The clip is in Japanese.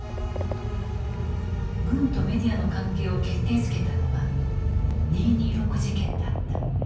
軍とメディアの関係を決定づけたのが二・二六事件だった。